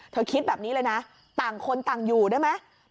คิดแบบนี้เลยนะต่างคนต่างอยู่ได้ไหม